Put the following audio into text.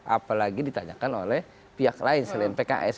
apalagi ditanyakan oleh pihak lain selain pks